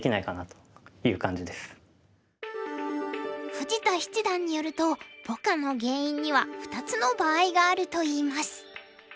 富士田七段によるとポカの原因には２つの場合があるといいます。